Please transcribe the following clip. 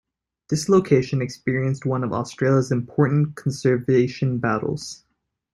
This location experienced one of Australia's important conservation battles.